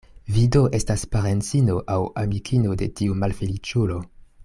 Vi do estas parencino aŭ amikino de tiu malfeliĉulo?